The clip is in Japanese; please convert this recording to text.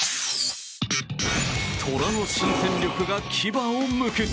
虎の新の戦力が牙をむく。